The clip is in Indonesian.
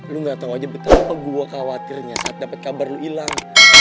lu gak tau aja betapa gue khawatirnya saat dapat kabar lu hilang